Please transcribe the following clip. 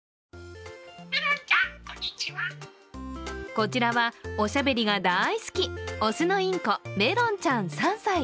こちらはおしゃべりが大好き、雄のインコ、メロンちゃん３歳。